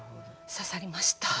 刺さりました。